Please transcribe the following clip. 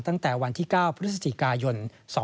ตั้งแต่วันที่๙พฤศจิกายน๒๕๖๒